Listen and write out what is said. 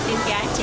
yang kita beli aja